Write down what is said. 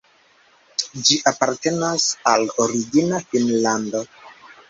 Ĝi apartenas al Origina Finnlando.